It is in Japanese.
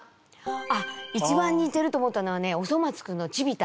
あっ一番にてると思ったのはね「おそ松くん」のチビ太。